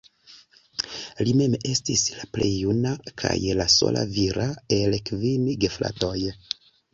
Li mem estis la plej juna, kaj la sola vira, el kvin gefratoj.